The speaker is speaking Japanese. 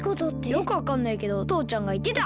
よくわかんないけどとうちゃんがいってた。